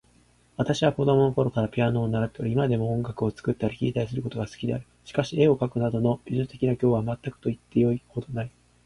私は子供のころからピアノを習っており、今でも音楽を作ったり聴いたりすることが好きである。しかし、絵を描くなどの美術的な教養は全くと言ってよいほどない。